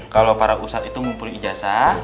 kalau para usat itu ngumpulin ijazah